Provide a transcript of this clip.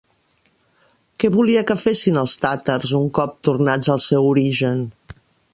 Què volia que fessin els tàtars un cop tornats al seu origen?